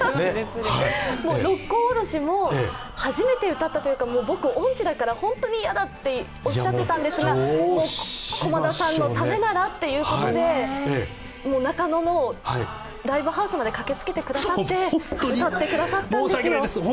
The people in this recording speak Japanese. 「六甲おろし」も初めて歌ったというか、僕、音痴だから本当に嫌だとおっしゃってたんですが、駒田さんのためならっていうことで、中野のライブハウスまで駆けつけてくださって歌ってくださったんですよ。